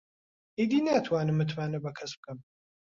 ئیدی ناتوانم متمانە بە کەس بکەم.